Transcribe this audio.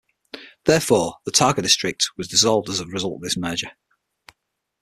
Therefore, the Taga District was dissolved as a result of this merger.